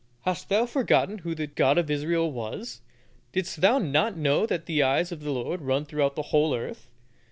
Hast thou forgotten who the God of Israel was? Didst thou not know that the eyes of the Lord run throughout the whole earth?"